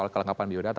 soal kelengkapan biodata